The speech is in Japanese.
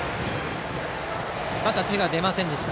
手が出ませんでした。